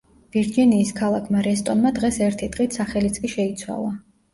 ვირჯინიის ქალაქმა რესტონმა დღეს ერთი დღით სახელიც კი შეიცვალა.